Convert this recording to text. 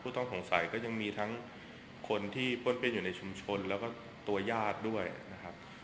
ต้องสงสัยก็ยังมีทั้งคนที่ป้นเปี้ยนอยู่ในชุมชนแล้วก็ตัวญาติด้วยนะครับ